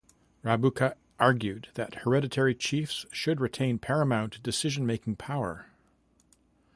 Rabuka argued that hereditary chiefs should retain paramount decision-making power.